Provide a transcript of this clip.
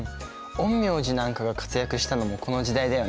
陰陽師なんかが活躍したのもこの時代だよね。